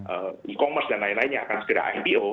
e commerce dan lain lainnya akan segera ipo